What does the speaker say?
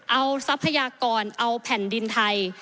เอาทรัพยากรเอาแผ่นดินไทย